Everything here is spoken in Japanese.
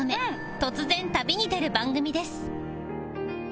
突然旅に出る番組です